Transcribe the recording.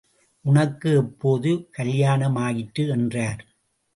உனக்கு எப்போது கல்யாணமாயிற்று? என்றார்.